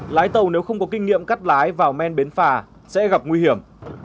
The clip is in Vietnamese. lái tàu nếu không có kinh nghiệm cắt lái vào men bến phà sẽ gặp nguy hiểm